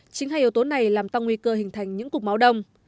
chính hai yếu tố này làm tăng nguy cơ hình thành những cục máu đông